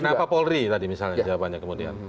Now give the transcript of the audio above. kenapa polri tadi misalnya jawabannya kemudian